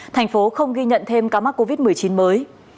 thành phố không ghi nhận thêm ca mắc covid một mươi chín mới